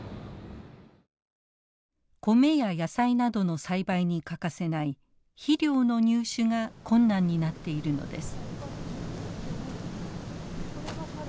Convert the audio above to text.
コメや野菜などの栽培に欠かせない肥料の入手が困難になっているのです。